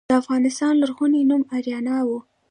د افغانستان لرغونی نوم اریانا و